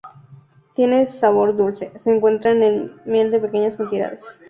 Tiene sabor dulce, se encuentra en la miel en pequeñas cantidades.